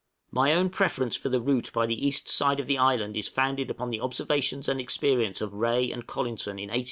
My own preference for the route by the east side of the island is founded upon the observations and experience of Rae and Collinson in 1851 2 4.